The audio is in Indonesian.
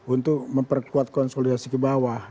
untuk memperkuat konsolidasi ke bawah